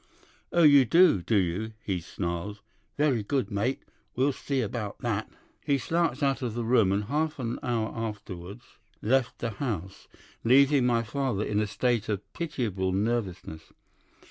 "'"Oh, you do, do you?" he snarls. "Very good, mate. We'll see about that!" He slouched out of the room, and half an hour afterwards left the house, leaving my father in a state of pitiable nervousness.